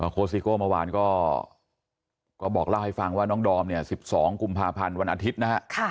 โคสิโก้เมื่อวานก็บอกเล่าให้ฟังว่าน้องดอมเนี่ย๑๒กุมภาพันธ์วันอาทิตย์นะฮะ